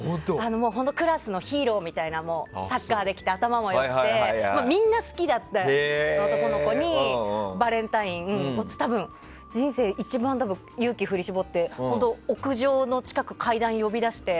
本当にクラスのヒーローみたいなサッカーできて頭も良くてというみんな好きだった男の子にバレンタイン多分、人生で一番勇気を振り絞って屋上近くの階段に呼び出して。